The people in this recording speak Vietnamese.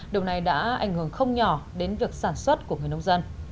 điều này đã ảnh hưởng không nhỏ đến việc sản xuất của người nông dân